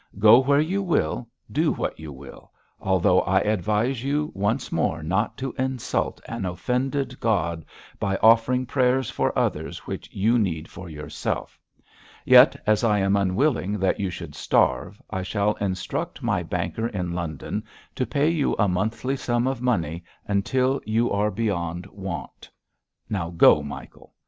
Go where you will, do what you will, although I advise you once more not to insult an offended God by offering prayers for others which you need for yourself. Yet, as I am unwilling that you should starve, I shall instruct my banker in London to pay you a monthly sum of money until you are beyond want. Now go, Michael.